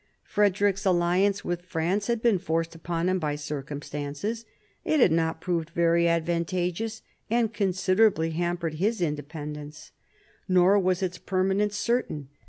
Frederick's alliance with France had been forced upon him by circumstances. It had not proved very advantageous, and considerably hampered his independence. Nor was its permanence certain.